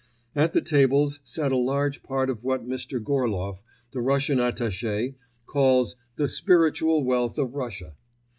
At the tables sat a large part of what Mr. Gorlof, the Russian attachi, calls "the spiritual wealth of Russia."